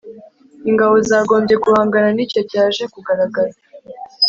Ingabo zagombye guhangana ni cyo cyaje kugaragara